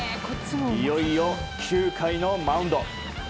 いよいよ９回のマウンド。